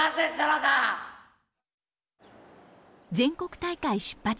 全国大会出発